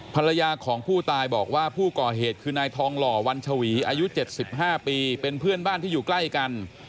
ภรรยาของผู้ตายบอกว่าผู้ก่อเหตุคือนายทองหล่อวันชวีอายุ๗๕ปีเป็นเพื่อนบ้านที่อยู่ใกล้กัน